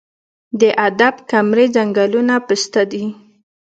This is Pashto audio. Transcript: د اب کمري ځنګلونه پسته دي